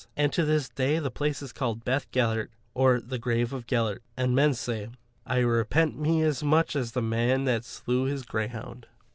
And to this day the place is called Beth Gellert, or the Grave of Gellert, and men say, "I repent me as much as the man that slew his greyhound."